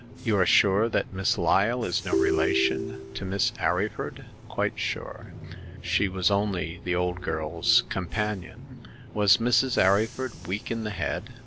You are sure that Miss Lyle is no relation to Mrs. Arryford ?"" Quite sure. She was only the old girl's companion/' Was Mrs. Arryford weak in the head